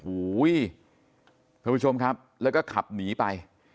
เพื่อนผู้ชมครับแล้วก็ขับหนีไป